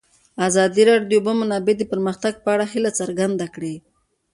ازادي راډیو د د اوبو منابع د پرمختګ په اړه هیله څرګنده کړې.